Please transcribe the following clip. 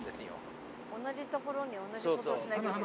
同じ所に同じことをしなきゃいけない。